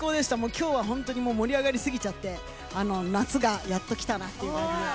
今日は本当に盛り上がりすぎちゃって夏がやってきたなっていう感じで。